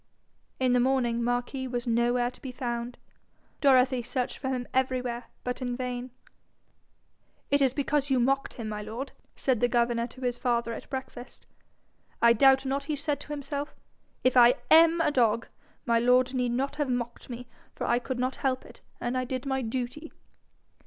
In the morning Marquis was nowhere to be found. Dorothy searched for him everywhere, but in vain. 'It is because you mocked him, my lord,' said the governor to his father at breakfast. 'I doubt not he said to himself, "If I AM a dog, my lord need not have mocked me, for I could not help it, and I did my duty."'